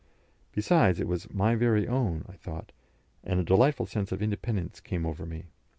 Besides, it was "my very own," I thought, and a delightful sense of independence came over me.